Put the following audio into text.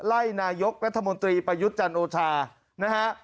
ไล่นายกรัฐมนตรีประยุทธ์จันทร์โอชานะฮะ